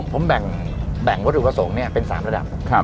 ผมแบ่งวัตถุประสงค์เป็น๓ระดับ